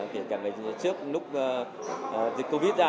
trước lúc dịch covid ra